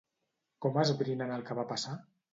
Com esbrinen el que va passar?